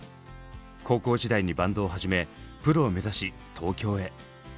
高校時代にバンドを始めプロを目指し東京へ。